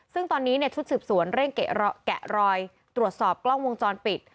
ซึ่งตอนนี้ชุดสืบสวนเร่งแกะรอยตรวจสอบกล้องวงจรปิด